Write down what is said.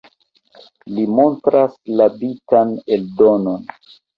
Li montras la bitan eldonon.